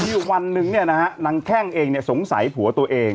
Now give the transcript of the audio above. มีวันนึงเนี่ยนะฮะนางแข้งเองเนี่ยสงสัยผัวตัวเอง